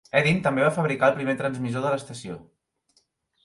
Hedin també va fabricar el primer transmissor de l'estació.